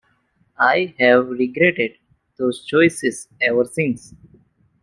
I have regretted those choices ever since.